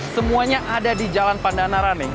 semuanya ada di jalan pandana rame